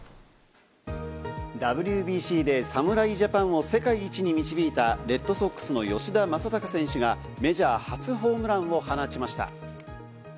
ＷＢＣで侍ジャパンを世界一に導いたレッドソックスの吉田正尚選手がメジャー初ホームランを放ちました。